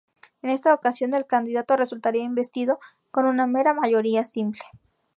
En esta ocasión, el candidato resultaría investido con una mera mayoría simple.